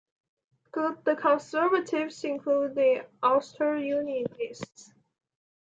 The Conservatives include the Ulster Unionists.